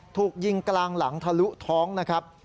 ถูกยิงกลางหลังทะลุท้องนะครับ